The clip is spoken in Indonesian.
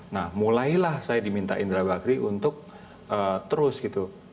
nah mulailah saya diminta indra bakri untuk terus gitu